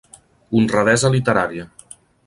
Honradesa literària.